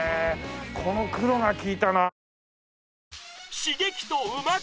この黒が利いたな。